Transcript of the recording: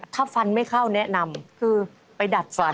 ถ้าฟันไม่เข้าแนะนำคือไปดัดฟัน